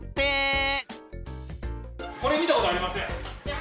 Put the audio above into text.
これ見たことありません？